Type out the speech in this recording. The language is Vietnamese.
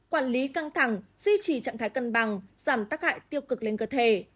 quản lý căng thẳng duy trì trạng thái cân bằng giảm tác hại tiêu cực lên cơ thể